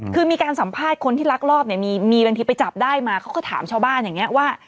คือมีการสัมภาษณ์คนที่ลักลอบเนี่ยมีบางทีไปจับได้มาเขาก็ถามชาวบ้านอย่างนี้ว่า